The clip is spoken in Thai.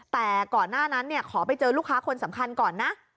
แต่ก่อนหน้านั้นขอไปเจอลูกค้าคนสำคัญก่อนนะ